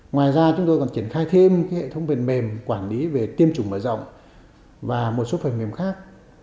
ngoài ra chúng tôi còn triển khai thêm hệ thống phần mềm quản lý về tiêm chủng mở rộng và một số phần mềm khác